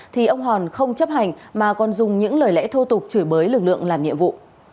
thì ông hòn không chấp hành mà còn dùng những lời lẽ thô tục chửi bới lực lượng làm nhiệm vụ